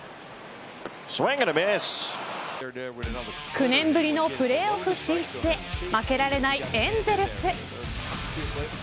９年ぶりのプレーオフ進出へ負けられないエンゼルス。